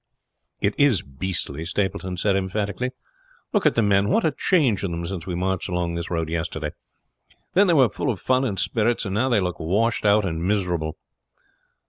"It is beastly," Stapleton said emphatically. "Look at the men; what a change in them since we marched along this road yesterday. Then they were full of fun and spirits, now they look washed out and miserable.